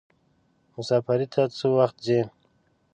مسافری ته څه وخت ځئ.